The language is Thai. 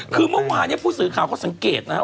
คือเมื่อวานี่ผู้สืบข่าวก็สังเกตนะครับ